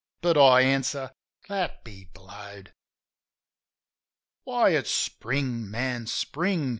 But I answer, "That be blowed!" "Why, ifs Spring, man. Spring!"